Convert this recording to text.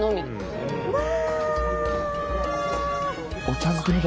うわ！